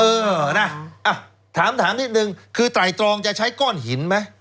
เออนะถามนิดนึงคือไตรตรองจะใช้ก้อนหินไหม